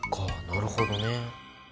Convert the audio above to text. なるほどね。